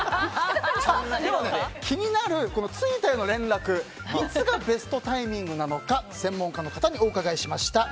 気になる、着いたよの連絡いつがベストタイミングなのか専門家の方にお伺いしました。